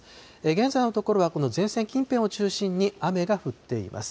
現在のところは、この前線近辺を中心に雨が降っています。